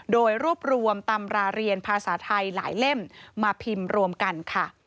โดยรวบรวมตำราเรียนภาษาไทยหลายเล่มมาพิมพ์รวมกันค่ะ